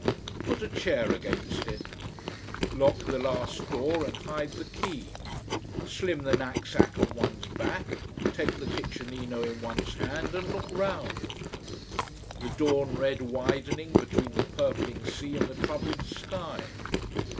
Put a chair against it. Lock the last door and hide the key. Sling the knapsack on one's back, take the kitchenino in one's hand and look round. The dawn red widening, between the purpling sea and the troubled sky.